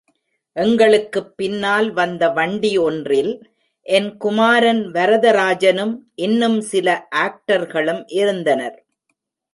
எங்களுக்குப் பின்னால் வந்த வண்டி ஒன்றில் என் குமாரன் வரதராஜனும் இன்னும் சில ஆக்டர்களும் இருந்தனர்.